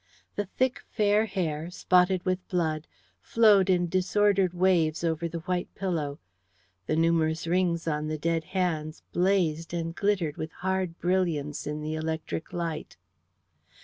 The thick, fair hair, spotted with blood, flowed in disordered waves over the white pillow; the numerous rings on the dead hands blazed and glittered with hard brilliance in the electric light.